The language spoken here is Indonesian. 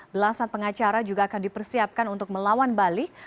belasan pengacara juga akan dipersiapkan untuk melawan balik